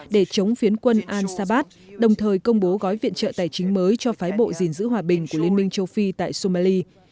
để chống phiến quân al sabat đồng thời công bố gói viện trợ tài chính mới cho phái bộ gìn giữ hòa bình của liên minh châu phi tại somali